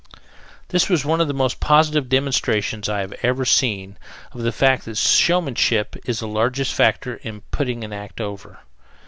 This was one of the most positive demonstrations I have ever seen of the fact that showmanship is the largest factor in putting an act over.